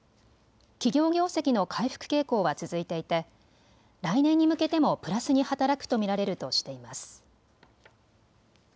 企業業績の回復傾向は続いていて来年に向けてもプラスに働くと見られるとしています。